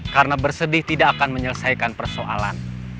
karena bersedih tidak akan menyelesaikan persoalan